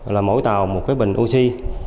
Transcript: là mỗi tàu một cái bình oxy